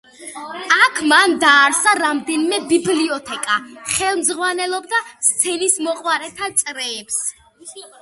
აქ მან დააარსა რამდენიმე ბიბლიოთეკა, ხელმძღვანელობდა სცენისმოყვარეთა წრეებს.